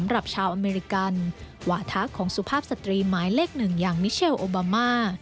หัวของสุภาพสตรีหมายเลขหนึ่งอย่างมิเชลโอบามา